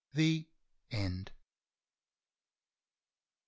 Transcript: THE END W.